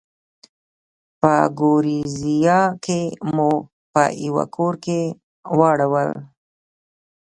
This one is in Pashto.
په ګوریزیا کې مو په یوه کور کې واړول.